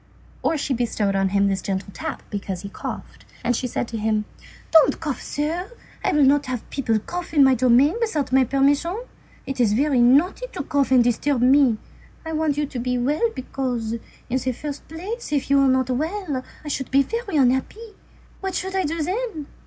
Or she bestowed on him a gentle tap because he coughed, and she said to him:— "Don't cough, sir; I will not have people cough on my domain without my permission. It's very naughty to cough and to disturb me. I want you to be well, because, in the first place, if you were not well, I should be very unhappy. What should I do then?"